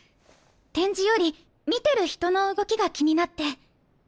展示より見てる人の動きが気になって。